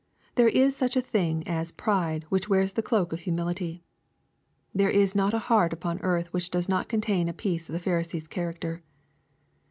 There is such a thing as a pride which wears the cloak of humility. There is not a heart upon earth which does not contain a piece of the Pharisee's character.